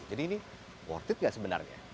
jadi ini worth it nggak sebenarnya